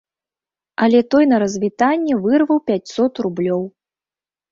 Але той на развітанне вырваў пяцьсот рублёў.